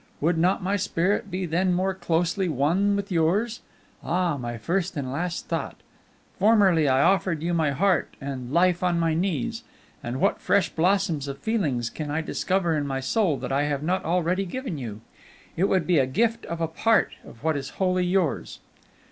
Would not my spirit be then more closely one with yours? Ah! my first and last thought; formerly I offered you my heart and life on my knees; now what fresh blossoms of feelings can I discover in my soul that I have not already given you? It would be a gift of a part of what is wholly yours.